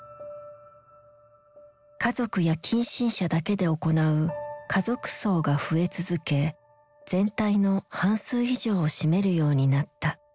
家族や近親者だけで行う「家族葬」が増え続け全体の半数以上を占めるようになった。